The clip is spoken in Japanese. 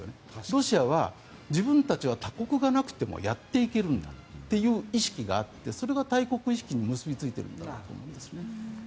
ロシアは自分たちは他国がなくてもやっていけるんだという意識があってそれが大国意識に結びついているんだと思います。